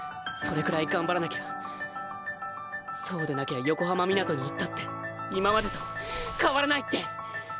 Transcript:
それくらい頑張らなきゃそうでなきゃ横浜湊に行ったって今までと変わらないって！